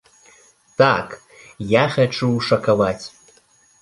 Так, я хачу шакаваць!